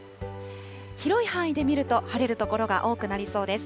広い範囲で見ると晴れる所が多くなりそうです。